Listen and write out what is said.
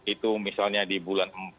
itu misalnya di bulan empat